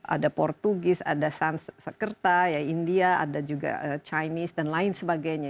ada portugis ada sansekerta india ada juga chinese dan lain sebagainya